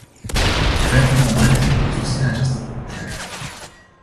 Pentru moment, nu pot susține această propunere.